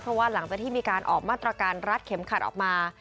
เพราะว่าหลังจากที่มีการออกมาตรการรัดเข็มขัดออกมา